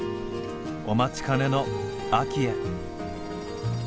お待ちかねの秋へ。